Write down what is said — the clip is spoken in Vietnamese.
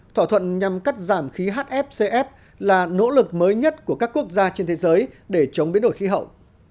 thỏa thuận nhằm cắt giảm khí hfcf là nỗ lực mới nhất của các quốc gia trên thế giới để chống biến đổi khí hậu